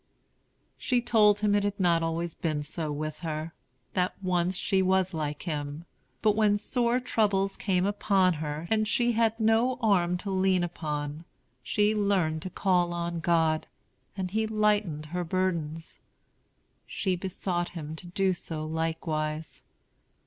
She told him it had not always been so with her; that once she was like him; but when sore troubles came upon her, and she had no arm to lean upon, she learned to call on God, and he lightened her burdens. She besought him to do so likewise.